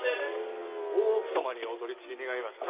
大奥様にお取り次ぎ願います。